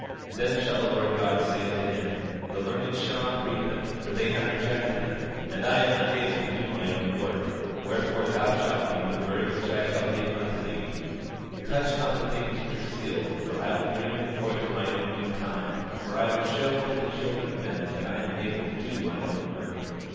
27:20 Then shall the Lord God say unto him: The learned shall not read them, for they have rejected them, and I am able to do mine own work; wherefore thou shalt read the words which I shall give unto thee. 27:21 Touch not the things which are sealed, for I will bring them forth in mine own due time; for I will show unto the children of men that I am able to do mine own work.